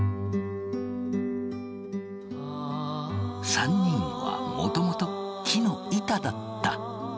３人はもともと木の板だった。